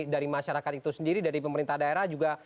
dari masyarakat itu sendiri dari pemerintah daerah juga